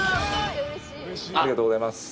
ありがとうございます。